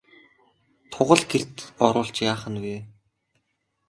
Тугал гэрт оруулж яах нь вэ?